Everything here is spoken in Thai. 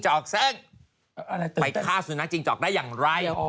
เชนเชลล่า